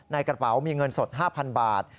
ในกระเป๋ามีเงินสด๕๐๐๐บาท